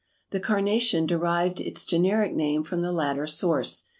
The Carnation derived its generic name from the latter source.